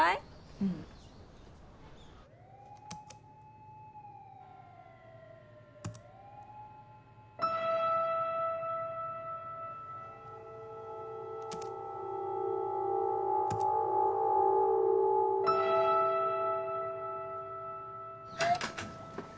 うん。あっ！